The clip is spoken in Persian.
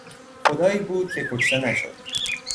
خدایی بود که کشته نشد!